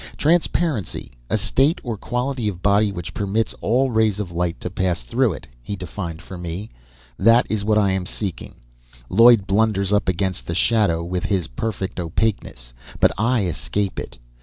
"Transparency: a state or quality of body which permits all rays of light to pass through," he defined for me. "That is what I am seeking. Lloyd blunders up against the shadow with his perfect opaqueness. But I escape it.